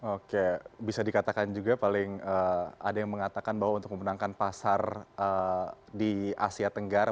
oke bisa dikatakan juga paling ada yang mengatakan bahwa untuk memenangkan pasar di asia tenggara